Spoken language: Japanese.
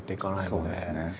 そうですね。